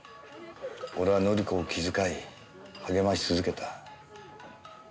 俺は紀子を気遣い励まし続けた。